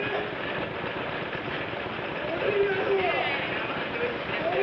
甘くておいしいんですよ